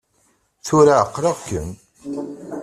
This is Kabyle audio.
Tura ɛeqleɣ-kem!